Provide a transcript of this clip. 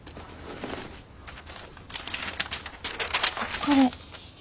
これ。